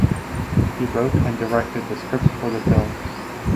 He wrote and directed the script for the film.